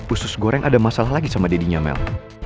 usus goreng ada masalah lagi sama deddynya mel